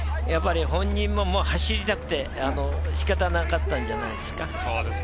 本人も走りたくて仕方なかったんじゃないですか。